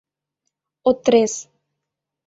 Отрез...